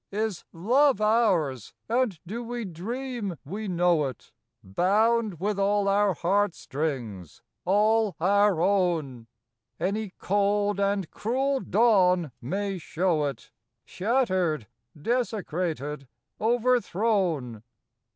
Is Love ours, and do we dream we know it, Bound with all our heart strings, all our own Any cold and cruel dawn may show it, Shattered, desecrated, overthrown.